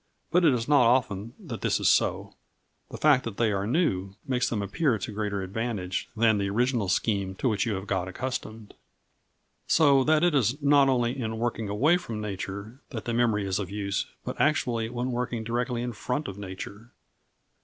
But it is not often that this is so; the fact that they are new makes them appear to greater advantage than the original scheme to which you have got accustomed. So that it is not only in working away from nature that the memory is of use, but actually when working directly in front of nature.